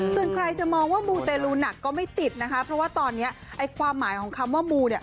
ส่วนใครจะมองว่ามูเตรลูหนักก็ไม่ติดนะคะเพราะว่าตอนนี้ไอ้ความหมายของคำว่ามูเนี่ย